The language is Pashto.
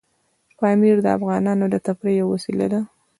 پامیر د افغانانو د تفریح یوه وسیله ده.